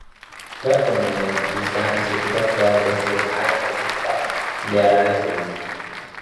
Juega como mediocampista y su equipo actual es el Al-Ettifaq de Arabia Saudita.